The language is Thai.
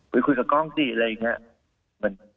ไปคุยกับกล้องสิอะไรอย่างนี้